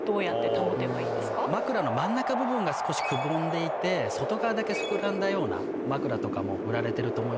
枕の真ん中部分が少しくぼんでいて外側だけ膨らんだような枕とかも売られてると思いますので。